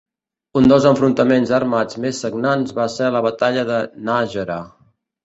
Un dels enfrontaments armats més sagnants va ser la Batalla de Nájera.